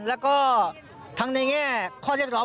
แล้วก็ทั้งในแง่ข้อเรียกร้อง